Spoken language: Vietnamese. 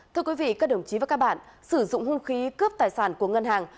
thưa quý vị các đồng chí và các bạn sử dụng hung khí cướp tài sản của ngân hàng